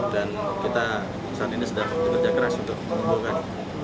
dan kita saat ini sedang bekerja keras untuk mengumpulkan